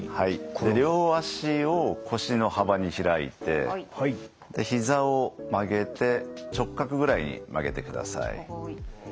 両足を腰の幅に開いてひざを曲げて直角ぐらいに曲げてください。